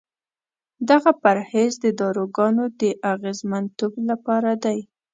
دغه پرهیز د داروګانو د اغېزمنتوب لپاره دی.